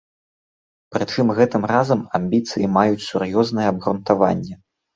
Прычым гэтым разам амбіцыі маюць сур'ёзнае абгрунтаванне.